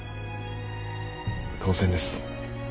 当然です。